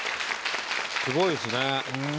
すごいですね。